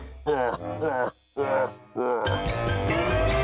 ああ。